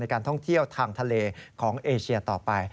การท่องเที่ยวทางทะเลของเอเชียต่อไป